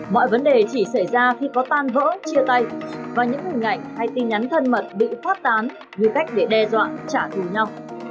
mọi vấn đề chỉ xảy ra khi có tan vỡ chia tay và những hình ảnh hay tin nhắn thân mật bị phát tán như cách để đe dọa trả thù nhau